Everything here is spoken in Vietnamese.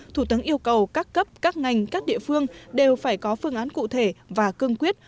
thủ tướng yêu cầu các cấp các ngành các địa phương đều phải có phương án cụ thể và cương quyết